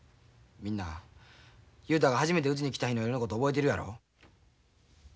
みんな雄太が初めてうちに来た日の夜のこと覚えてるやろ？